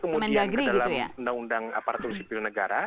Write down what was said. kemudian ke dalam undang undang aparatur sipil negara